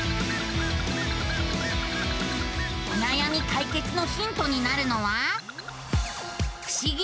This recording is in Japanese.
おなやみ解決のヒントになるのは。